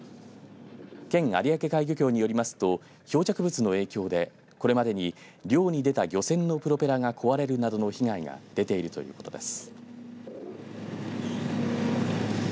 県有明海漁協によりますと漂着物の影響でこれまでに漁に出た漁船のプロペラが壊れるなどの被害が出ているということです。